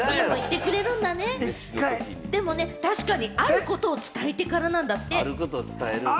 確かにあることを伝えてくれるんだって。